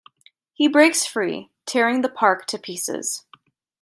He breaks free, tearing the park to pieces.